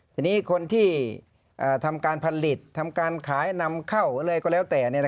ทีนี้คนที่ทำการผลิตทำการขายนำเข้าอะไรก็แล้วแต่